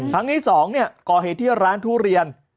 ครั้งที่๒ก่อเหตุที่ร้านทุเรียน